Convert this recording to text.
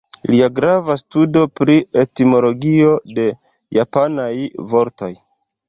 Lia grava studo pri etimologio de japanaj vortoj.